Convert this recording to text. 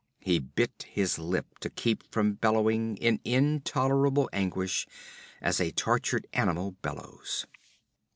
He bit his lip to keep from bellowing in intolerable anguish as a tortured animal bellows.